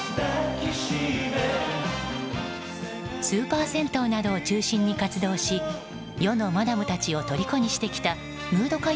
スーパー銭湯などを中心に活動し世のマダムたちをとりこにしてきたムード